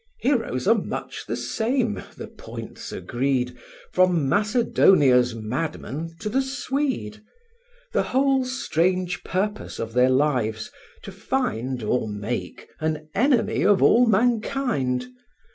Heroes are much the same, the points agreed, From Macedonia's madman to the Swede; The whole strange purpose of their lives, to find Or make, an enemy of all mankind?